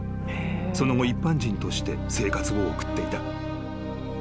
［その後一般人として生活を送っていた］